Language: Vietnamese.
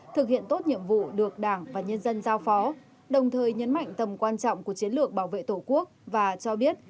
thực hiện tốt nhiệm vụ được đảng và nhân dân giao phó đồng thời nhấn mạnh tầm quan trọng của chiến lược bảo vệ tổ quốc và cho biết